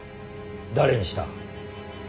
誰にした？